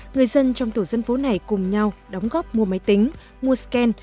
người dân trong tổ dân phố này cùng nhau đóng góp mua máy tính mua scan